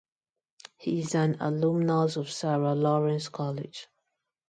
He is an alumnus of Sarah Lawrence College.